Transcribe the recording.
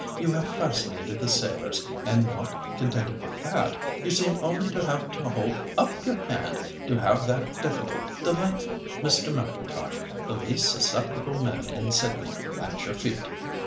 You have fascinated the sailors, and not contented with that, you seem only to have to hold up your hand to have that difficult, delightful Mr. M'Intosh, the least susceptible man in Sydney, at your feet.